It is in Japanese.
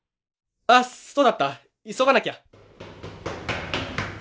あっそうだった急がなきゃ！